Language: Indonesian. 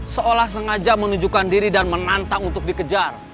seolah sengaja menunjukkan diri dan menantang untuk dikejar